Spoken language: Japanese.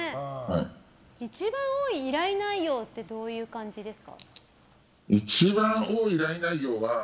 一番多い依頼内容ってどういう感じですか。